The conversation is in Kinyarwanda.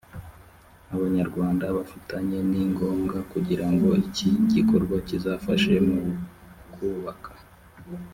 abanyarwanda bafitanye ni ngombwa kugira ngo iki gikorwa kizafashe mu kubaka